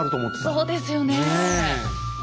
そうですよねえ。